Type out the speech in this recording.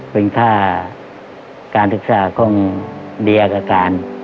เป็นค่าการศึกษาของเดียกับการ